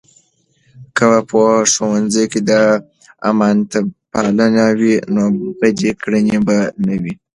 که په ښوونځۍ کې امانتپالنه وي، نو بدې کړنې به نه وي.